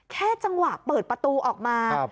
แค่จังหวะเปิดประตูออกมา